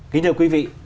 kính thưa quý vị